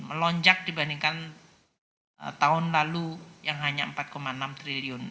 melonjak dibandingkan tahun lalu yang hanya empat enam triliun